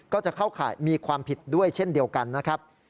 ก็จะเข้าข่ายมีความผิดด้วยเช่นเดียวกันนะครับ